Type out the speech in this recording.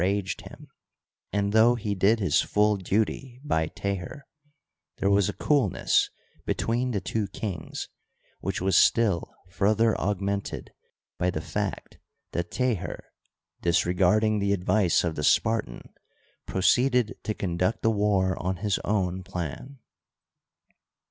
151 raged him, and, though he did his full duty by Teher, there was a coolness between the two kings which was still further augmented by the fact that Teher, disregard ing the advice of the Spartan, proceeded to conduct the war on his own plan.